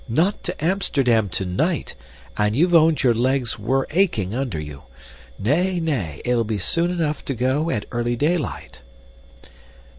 "Not to Amsterdam tonight, and you've owned your legs were aching under you. Nay, nay it'll be soon enough to go at early daylight."